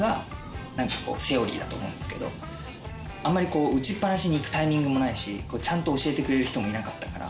あんまり打ちっ放しに行くタイミングもないしちゃんと教えてくれる人もいなかったから。